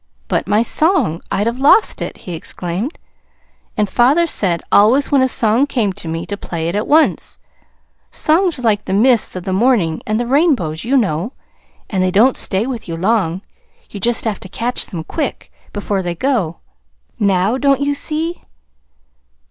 "But my song I'd have lost it!" he exclaimed. "And father said always when a song came to me to play it at once. Songs are like the mists of the morning and the rainbows, you know, and they don't stay with you long. You just have to catch them quick, before they go. Now, don't you see?"